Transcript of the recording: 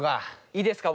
いいですか